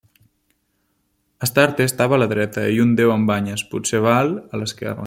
Astarte estava a la dreta, i un déu amb banyes, potser Baal, a l'esquerra.